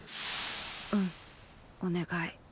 うんお願い。